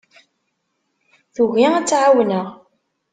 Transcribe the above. Tugi ad tt-ɛawneɣ.